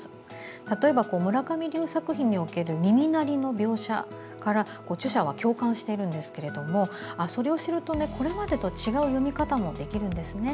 例えば、村上龍作品における耳鳴りの描写に、著者は共感しているんですけれどもそれを知るとこれまでと違う読み方もできるんですね。